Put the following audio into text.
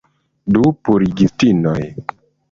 Du purigistinoj.